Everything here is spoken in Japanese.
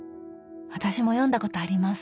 私も読んだことあります。